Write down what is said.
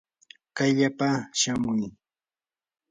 kayllapa shamuy.